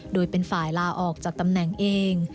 โดยเป็นฝ่ายลาออกจากตำแหน่งเอง